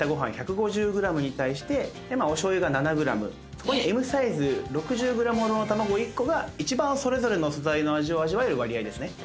そこにＭサイズ６０ｇほどの卵１個が一番それぞれの素材の味を味わえる割合ですね。